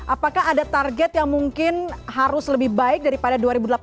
apakah ada target yang mungkin harus lebih baik daripada dua ribu delapan belas